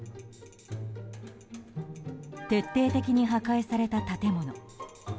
徹底的に破壊された建物。